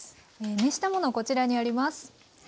熱したものはこちらにあります。